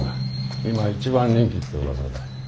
今一番人気ってうわさだ。